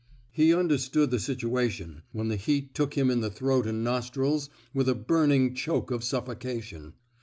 He understood the situation when the heat took him in the throat and nostrils with a burning choke of suffocation.